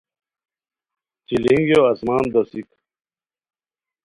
چیلینگیو آسمان دوسیک